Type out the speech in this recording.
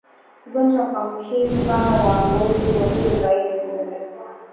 Ugonjwa wa kuambukiza wa ngozi huathiri zaidi mbuzi